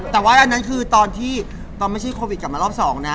แต่ว่าอันนั้นคือตอนที่ตอนไม่ใช่โควิดกลับมารอบ๒นะ